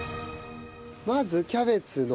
まずキャベツの。